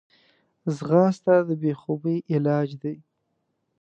ځغاسته د بېخوبي علاج دی